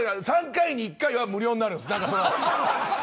３回に１回は無料になるんです。